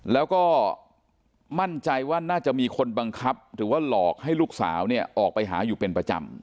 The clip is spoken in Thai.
แล้วก็มั่นใจว่าน่าจะมีคนบังคับหรือว่าหลอกให้ลูกสาวเนี่ยออกไปหาอยู่เป็นประจำ